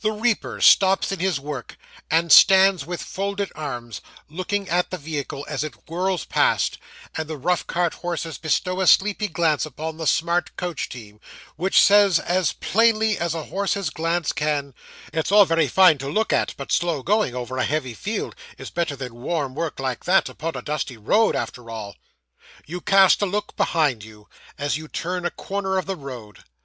The reaper stops in his work, and stands with folded arms, looking at the vehicle as it whirls past; and the rough cart horses bestow a sleepy glance upon the smart coach team, which says as plainly as a horse's glance can, 'It's all very fine to look at, but slow going, over a heavy field, is better than warm work like that, upon a dusty road, after all.' You cast a look behind you, as you turn a corner of the road.